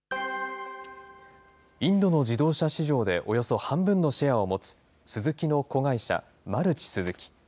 インドの自動車市場でおよそ半分のシェアを持つ、スズキの子会社、マルチ・スズキ。